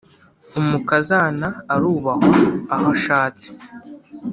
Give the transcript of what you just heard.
umukazana arubahwa aho ashatse